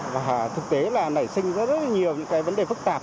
và thực tế là nảy sinh rất rất là nhiều những cái vấn đề phức tạp